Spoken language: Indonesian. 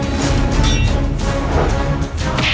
kamu pastikan sebuah hatiku